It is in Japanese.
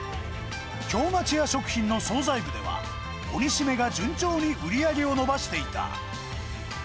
京町屋食品の総菜部では、お煮しめが順調に売り上げを伸ばしていた。